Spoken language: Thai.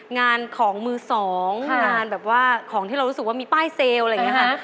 งานของมือสองงานแบบว่าของที่เรารู้สึกว่ามีป้ายเซลล์อะไรอย่างนี้ค่ะ